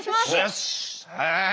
よし！